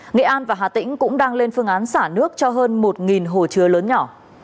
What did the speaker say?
nghệ an và hà tĩnh cũng đang lên phương án xả nước cho hơn một hồ chứa lớn nhỏ